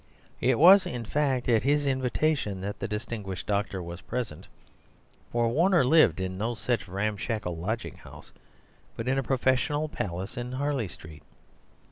It was, in fact, at his invitation that the distinguished doctor was present; for Warner lived in no such ramshackle lodging house, but in a professional palace in Harley Street.